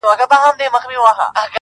تر پرون مي يوه کمه ده راوړې.